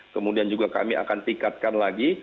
kemudian juga kami akan tingkatkan lagi